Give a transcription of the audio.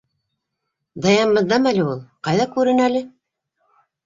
— Даян бындамы әле ул? Ҡайҙа, күрен әле.